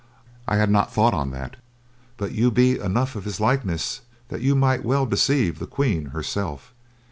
"I had not thought on that; but you be enough of his likeness that you might well deceive the Queen herself.